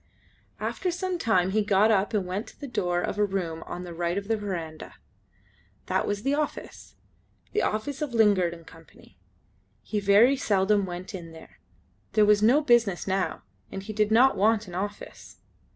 After some time he got up and went to the door of a room on the right of the verandah. That was the office. The office of Lingard and Co. He very seldom went in there. There was no business now, and he did not want an office.